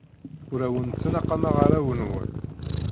Ur awen-ttnaqameɣ arraw-nwen.